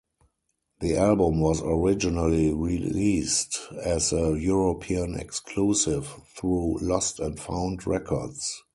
The album was originally released as a European exclusive through Lost and Found Records.